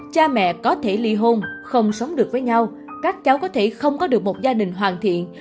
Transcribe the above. cha mẹ có thể ly hôn không sống được với nhau các cháu có thể không có được một gia đình hoàn thiện